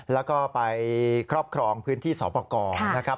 แล้วก็ไปครอบครองพื้นที่สอบประกอบนะครับ